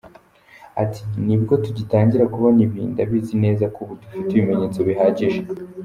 Ati “Nibwo tugitangira kubona ibi, ndabizi neza ko ubu dufite ibimenyetso bihagije.